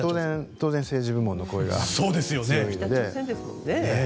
当然、政治部門の声が強いので。